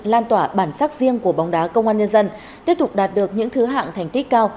lan tỏa bản sắc riêng của bóng đá công an nhân dân tiếp tục đạt được những thứ hạng thành tích cao